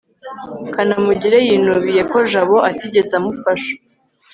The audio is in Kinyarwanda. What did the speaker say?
kanamugire yinubiye ko jabo atigeze amufasha